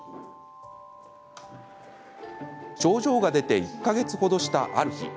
症状が出て１か月ほどしたある日。